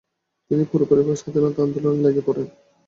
তিনি পুরোপুরিভাবে স্বাধীনতা আন্দোলনে লেগে পড়েন ।